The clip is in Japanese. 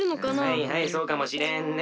はいはいそうかもしれんね。